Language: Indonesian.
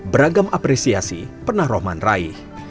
beragam apresiasi pernah rohman raih